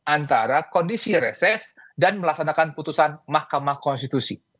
antara kondisi reses dan melaksanakan putusan mahkamah konstitusi